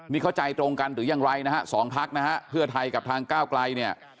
นี่เข้าใจตรงกันหรือยังไรนะฮะสองพักนะฮะเพื่อไทยกับทางก้าวไกลเนี่ย